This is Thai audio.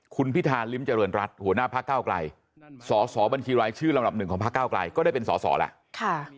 คุณพิธานลิ้มเจริญรัฐหัวหน้าภาคเก้าไกรศศบัญชีรายชื่อลำดับ๑ของภาคเก้าไกรก็ได้เป็นศศละ